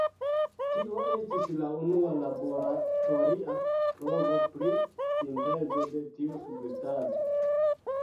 Tio estis la unua laboratoria provo pri sintezo de tiu substanco.